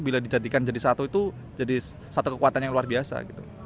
bila dijadikan jadi satu itu jadi satu kekuatan yang luar biasa